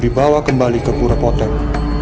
dan berjalan kembali ke pura ponteng